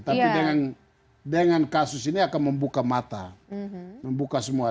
tapi dengan kasus ini akan membuka mata membuka semua